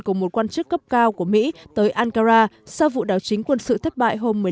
của một quan chức cấp cao của mỹ tới ankara sau vụ đảo chính quân sự thất bại hôm nay